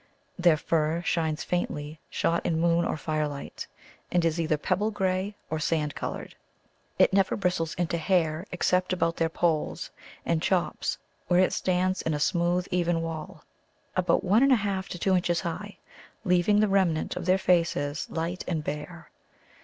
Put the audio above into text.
Their fur shines faintly shot in moon or firelight, and is either pebble grey or sand coloured. It never bristles into hair except about their polls and chops, where it stands in a smooth, even wall, about one and a half to two inches high, leaving the remnant of their faces light and bare.